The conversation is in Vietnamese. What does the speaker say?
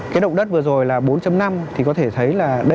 cái động đất vừa rồi là bốn năm thì có thể thấy là bốn năm là bốn năm